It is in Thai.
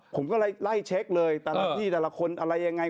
ผมก็เลยไล่เช็คเลยแต่ละที่แต่ละคนอะไรยังไง